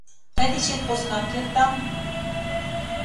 – Тый дечет поснат кертам.